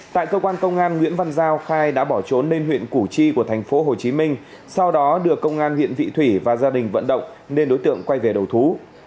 tại cơ quan công an nguyễn văn giao khai đã bỏ trốn lên huyện củ chi của thành phố hồ chí minh sau đó được công an huyện vị thủy và gia đình vận động nên đối tượng quay về đầu thú